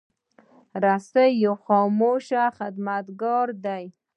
رسۍ یو خاموش خدمتګار دی.